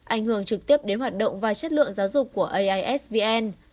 ảnh hưởng trực tiếp đến hoạt động và chất lượng giáo dục của aisvn